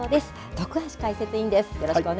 徳橋解説委員です。